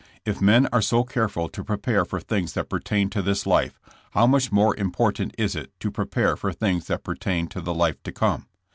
If men are so careful to prepare for things that pertain to this life, how much more important is it to prepare for things that pertain to the life to come?